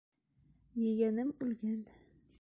Ейәнем үлгән...